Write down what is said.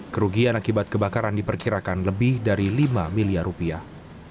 kerugian akibat kebakaran diperkirakan lebih dari lima miliar rupiah